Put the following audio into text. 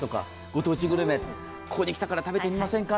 ご当地グルメ、ここに来たから食べてみませんか？